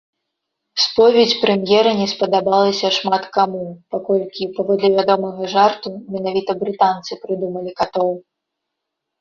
Споведзь прэм'ера не спадабалася шмат каму, паколькі, паводле вядомага жарту, менавіта брытанцы прыдумалі катоў.